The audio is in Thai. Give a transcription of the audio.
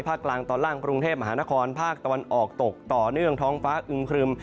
กลางตอนล่างกรุงเทพมหานครภาคตะวันออกตกต่อเนื่องท้องฟ้าอึมครึม